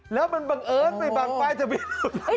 แล้วมันบังเอิญไปบางป้ายทะเบียน